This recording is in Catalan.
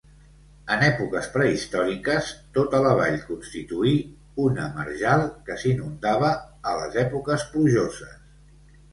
En èpoques prehistòriques tota la vall constituir una marjal que s'inundava a les èpoques plujoses.